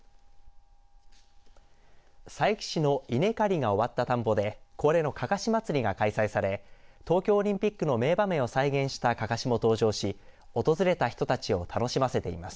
佐伯市の稲刈りが終わった田んぼで恒例のかかし祭りが開催され東京オリンピックの名場面を再現した、かかしも登場し訪れた人たちを楽しませています。